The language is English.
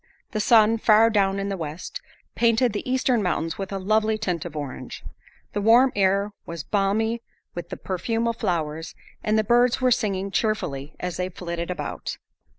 The sun far down in the west, painted the eastern mountains with a lovely tint of orange. The warm air was balmy with the perfume of flowers and the birds were singing cheerfully as they flitted about.